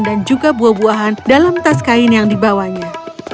dan juga buah buahan dalam tas kain yang di bawahnya